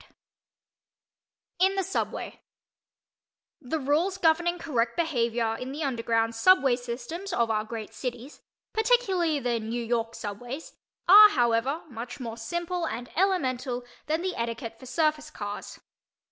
_ IN THE SUBWAY The rules governing correct behavior in the underground "subway" systems of our great cities (particularly the New York subways) are, however, much more simple and elemental than the etiquette for surface cars.